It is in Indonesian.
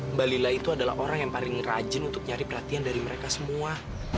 mbak lila itu adalah orang yang paling rajin untuk nyari perhatian dari mereka semua